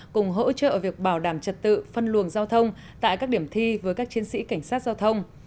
cùng hỗ trợ việc bảo đảm trật tự phân luồng giao thông tại các điểm thi với các chiến sĩ cảnh sát giao thông